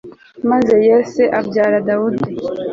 maze yese abyara dawudi